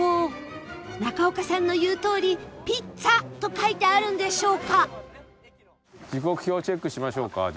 中岡さんの言うとおり「ピッツァ」と書いてあるんでしょうか？